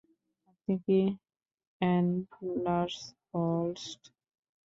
আপনি কি অ্যান্টলার্স হলস্ট?